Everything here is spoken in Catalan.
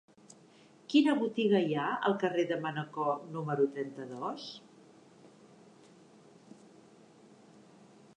Quina botiga hi ha al carrer de Manacor número trenta-dos?